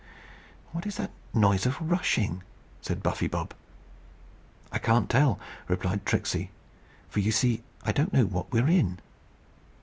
"What is that noise of rushing?" said Buffy Bob. "I can't tell," replied Tricksey; "for, you see, I don't know what we are in."